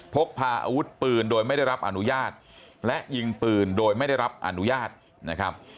พกพาอาวุธปืนโดยไม่ได้รับอนุญาตและยิงปืนโดยไม่ได้รับอนุญาตนะครับ